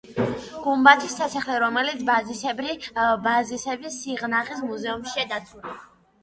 გუმბათის სასახლე, რომლის ზარისებრი ბაზისები სიღნაღის მუზეუმშია დაცული.